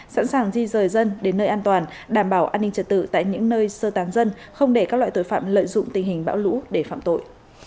sẵn sàng di rời dân đến nơi an toàn đảm bảo an ninh trật tự tại những nơi sơ tán dân không để các loại tội phạm lợi dụng tình hình bão lũ để phạm tội